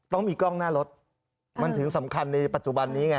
ต้องมีกล้องหน้ารถมันถึงสำคัญในปัจจุบันนี้ไง